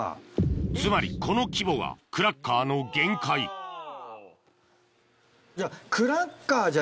つまりこの規模がクラッカーの限界じゃあ。